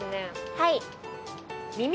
はい。